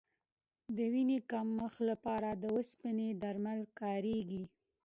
د وینې کمښت لپاره د اوسپنې درمل کارېږي.